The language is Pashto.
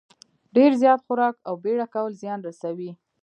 ډېر زیات خوراک او بېړه کول زیان رسوي.